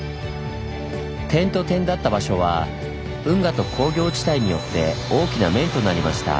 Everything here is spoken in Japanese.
点と点だった場所は運河と工業地帯によって大きな面となりました。